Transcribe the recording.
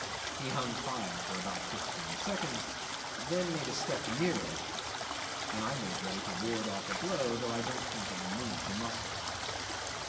He hung fire for about fifteen seconds, then made a step nearer, and I made ready to ward off a blow, though I don't think I moved a muscle.